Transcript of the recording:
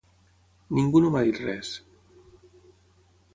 Ningú no m’ha dit res.